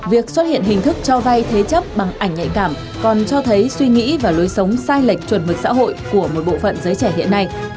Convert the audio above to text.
việc xuất hiện hình thức cho vay thế chấp bằng ảnh nhạy cảm còn cho thấy suy nghĩ và lối sống sai lệch chuẩn mực xã hội của một bộ phận giới trẻ hiện nay